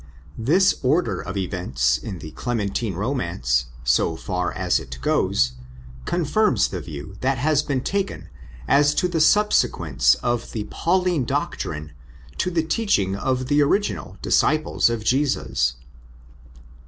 This order of events in the Clementine romance, so far as it goes, confirms the view that has been taken as to the subsequence of the Pauline doctrine to the teaching of the original "* disciples of Jesus."